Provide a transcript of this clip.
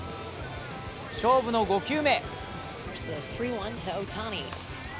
勝負の５球目。